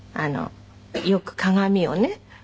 「よく鏡をね